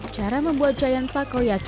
cara membuat giant takoyaki